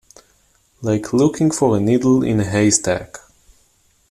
Like looking for a needle in a haystack.